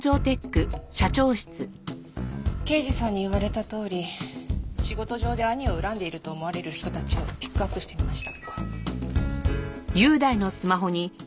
刑事さんに言われたとおり仕事上で兄を恨んでいると思われる人たちをピックアップしてみました。